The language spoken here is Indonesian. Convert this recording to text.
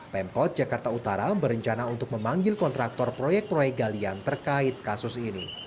pemkot jakarta utara berencana untuk memanggil kontraktor proyek proyek galian terkait kasus ini